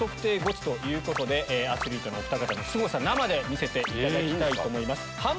アスリートのおふた方のすごさを生で見ていただきたいと思います。